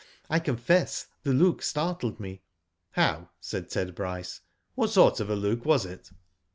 I confess the look startled me." " How ?" said Ted Bryce. " What sort of a look was it?"